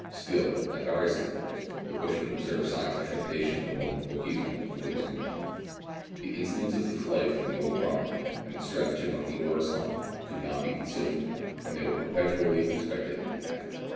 Still, at various inter vals, the bushman observed signs of trepidation among the Bochjesmen under his command. The incidents of the flight from the old cromlech, and the stratagem of the oryx hunt, could not be concealed from them, and they were perpetually expecting an attack.